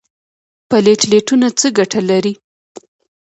پلیټلیټونه څه ګټه لري؟